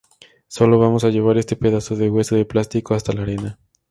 Sólo vamos a llevar este pedazo de hueso de plástico hasta la arena.